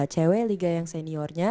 cewek liga yang seniornya